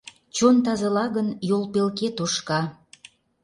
Чон тазыла гын, йол пелке тошка.